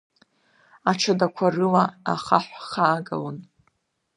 Аҽадақәа рыла ахаҳә хаагалон.